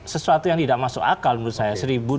sesuatu yang tidak masuk akal menurut saya